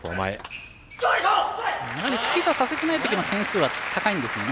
チキータさせてない時の点数は高いんですよね。